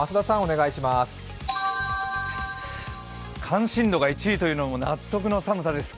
関心度が１位というのも納得の寒さです。